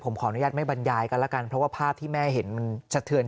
ผมขออนุญาตไม่บรรยายกันแล้วกันเพราะว่าภาพที่แม่เห็นมันสะเทือน